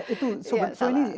itu salah salah